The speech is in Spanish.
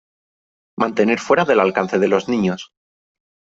Mantener fuera del alcance de los niños .